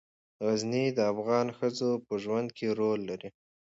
غزني د افغان ښځو په ژوند کې رول لري.